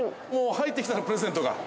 ◆入ってきたな、プレゼントが。